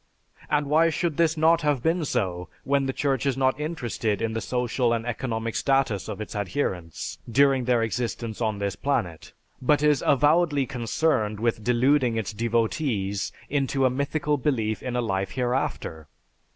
And why should this not have been so, when the Church is not interested in the social and economic status of its adherents during their existence on this planet, but is avowedly concerned with deluding its devotees into a mythical belief in a life hereafter?